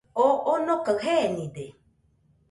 Oo onokaɨ jenide.